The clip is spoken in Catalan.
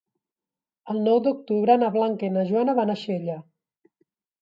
El nou d'octubre na Blanca i na Joana van a Xella.